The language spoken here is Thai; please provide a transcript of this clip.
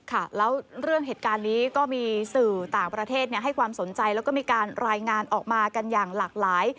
ค่ะแล้วเรื่องเหตุการณ์นี้ก็มีสื่อต่างประเทศให้ความสนใจแล้วก็มีการรายงานออกมากันอย่างหลากหลาย